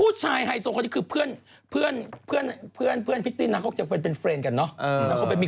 ผู้ชายไฮโซคนนี้คือเพื่อนพิตตี้นางเขาก็จะไปเป็นเฟรนด์กันเนาะ